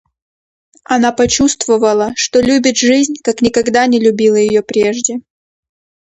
Она почувствовала, что любит жизнь, как никогда не любила ее прежде.